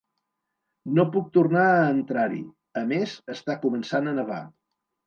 No puc tornar a entrar-hi; a més, està començant a nevar.